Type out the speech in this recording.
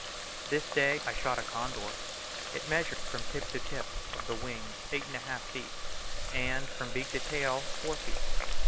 This day I shot a condor. It measured from tip to tip of the wings, eight and a half feet, and from beak to tail, four feet.